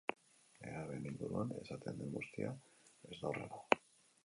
Nerabeen inguruan esaten den guztia ez da horrela.